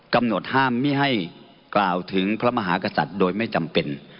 กำหนดห้ามไม่ให้กล่าวถึงพระมหากษัตริย์โดยไม่จำเป็น